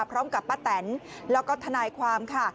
พร้อมกับป้าแตนแล้วก็ทนายความค่ะ